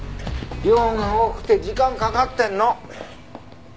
量が多くて時間かかってるの。